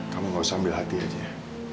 kamu gak usah ambil hati aja